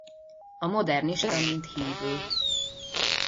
A modernista mint hívő.